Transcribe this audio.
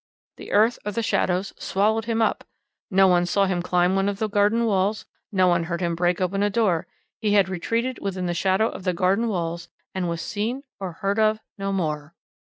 The earth or the shadows swallowed him up. No one saw him climb one of the garden walls, no one heard him break open a door; he had retreated within the shadow of the garden walls, and was seen or heard of no more."